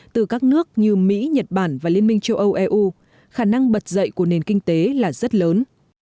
từ các nước như mỹ nhật bản và liên minh châu âu eu khả năng bật dậy của nền kinh tế là rất lớn